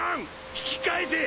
引き返せ！